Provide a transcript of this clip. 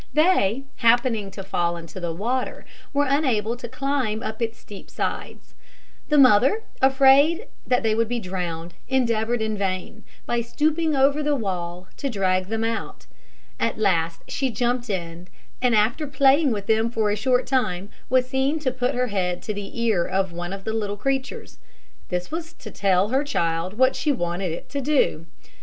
They, happening to fall into the water, were unable to climb up its steep sides. The mother, afraid that they would be drowned, endeavoured in vain, by stooping over the wall, to drag them out. At last she jumped in, and after playing with them for a short time, was seen to put her head to the ear of one of the little creatures. This was to tell her child what she wanted it to do.